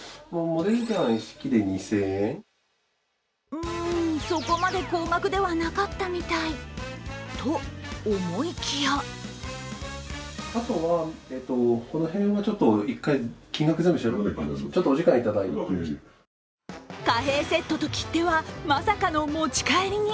うーん、そこまで高額ではなかったみたい。と思いきや貨幣セットと切手はまさかの持ち帰りに。